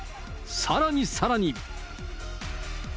さらにさらに。